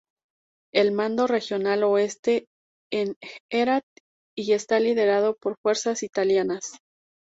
El Mando Regional Oeste está en Herat y está liderado por fuerzas italianas.